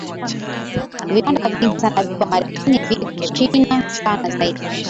viwanda vingi sana viko marekani viko china sana zaidi